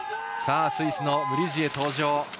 スイスのムリジエ、登場。